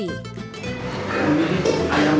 ini ayam nyamuk